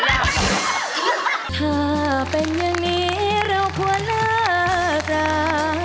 ถ้าเป็นอย่างนี้เราควรหน้าตา